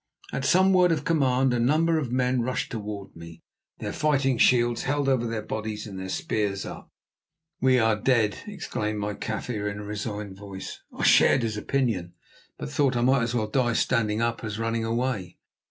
At some word of command a number of men rushed toward me, their fighting shields held over their bodies and their spears up. "We are dead!" exclaimed my Kaffir in a resigned voice. I shared his opinion, but thought I might as well die standing as running away.